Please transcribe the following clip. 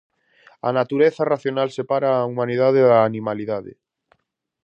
A natureza racional separa a humanidade da animalidade.